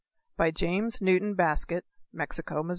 BY JAMES NEWTON BASKETT, MEXICO, MO.